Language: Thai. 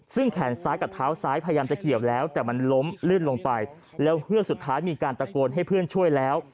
ซึ่งแขนซ้ายกับเท้าซ้ายพยายามจะเกี่ยวแล้วแต่มันล้มลื่นลงไปแล้วเฮือกสุดท้ายมีการตะโกนให้เพื่อนช่วยแล้ว